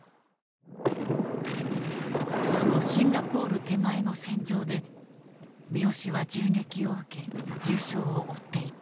そのシンガポール手前の戦場で三好は銃撃を受け重傷を負っていた。